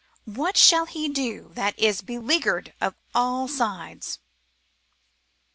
What shall he do that is beleaguered of all sides?